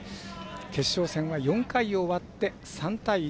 決勝戦は４回、終わって３対１。